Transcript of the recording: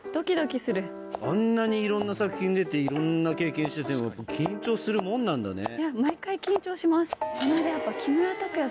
あんなにいろんな作品出ていろんな経験してても緊張するもんなんだね。